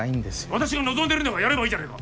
私が望んでるんだからやればいいじゃないか。